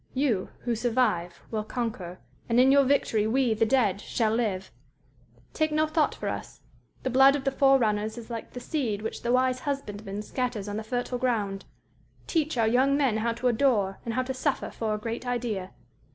You who survive will conquer, and in your victory we, the dead, shall live_.... "_Take no thought for us; the blood of the forerunners is like the seed which the wise husbandman scatters on the fertile ground_.... _Teach our young men how to adore and how to suffer for a great idea.